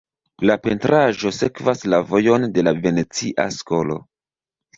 La pentraĵo sekvas la vojon de la venecia skolo.